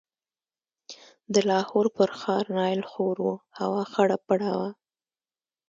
د لاهور پر ښار نایل خور و، هوا خړه پړه وه.